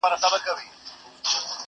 خلک يې يادونه کوي ډېر.